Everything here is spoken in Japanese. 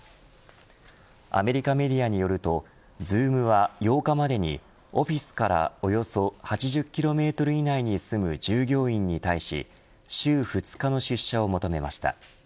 アメリカメディアによるとＺｏｏｍは８日までに、オフィスからおよそ８０キロメートル以内に住む従業員に対し週２日の出社を求めました。